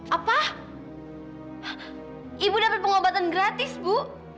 apa ibu dapat pengobatan gratis bu